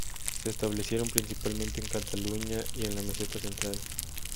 Se establecieron principalmente en Cataluña y en la Meseta Central.